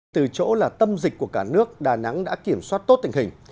từ chỗ là tâm dịch của cả nước đà nẵng đã kiểm soát tốt tình hình